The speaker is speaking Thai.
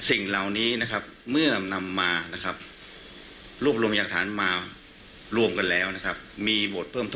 ซึ่งเหล่านี้นะครับ